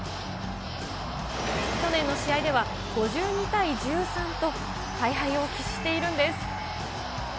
去年の試合では、５２対１３と、大敗を喫しているんです。